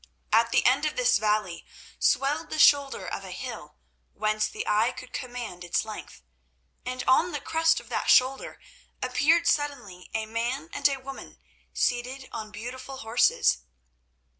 At the end of this valley swelled the shoulder of a hill whence the eye could command its length, and on the crest of that shoulder appeared suddenly a man and a woman, seated on beautiful horses.